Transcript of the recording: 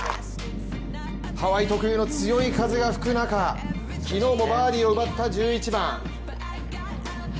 ハワイ特有の強い風が吹く中、昨日もバーディーを奪った１１番。